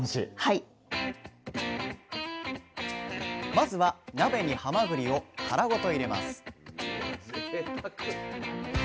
まずは鍋にはまぐりを殻ごと入れます